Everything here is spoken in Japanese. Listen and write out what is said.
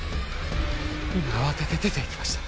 今慌てて出ていきました